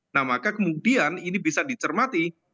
nah maka kemudian ini bisa dicermati